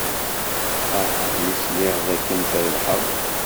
Feṛḥeɣ mi sliɣ dakken trebḥed.